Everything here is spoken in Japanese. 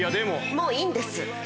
もういいんです。